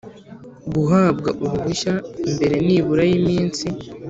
guhabwa uruhushya mbere nibura y iminsi